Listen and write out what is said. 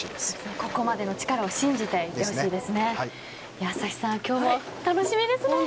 ここまでの力を信じてやってほしいですね。